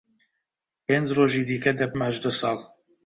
پێنج ڕۆژی دیکە دەبمە هەژدە ساڵ.